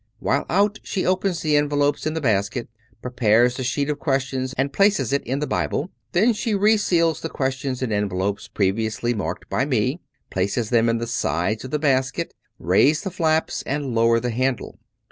While out, she opens the envelopes in the basket, prepares the sheet of questions, and places it in the Bible; then she re seals the questions in envelopes previously marked by me, places them in the sides of the basket, raises the flaps and lowers the handle.